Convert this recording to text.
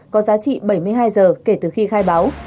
có giá trị bảy mươi hai giờ kể từ khi khai báo